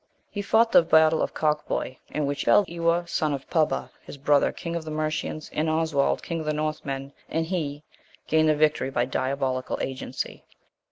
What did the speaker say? He fought the battle of Cocboy, in which fell Eawa, son of Pybba, his brother, king of the Mercians, and Oswald, king of the North men, and he gained the victory by diabolical agency.